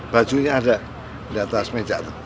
bajunya ada di atas meja